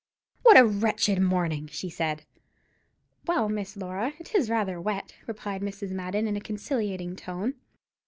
"What a wretched morning!" she said. "Well, Miss Laura, it is rather wet," replied Mrs. Madden, in a conciliating tone.